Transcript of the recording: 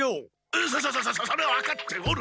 そそそそれは分かっておる！